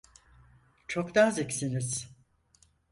Çok naziksiniz.